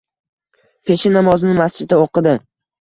Peshin namozini masjidda o‘qidi